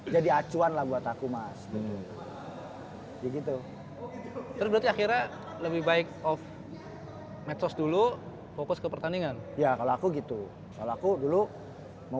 gitu akhirnya lebih baik of medsos dulu fokus ke pertandingan ya kalau aku gitu kalau aku dulu mau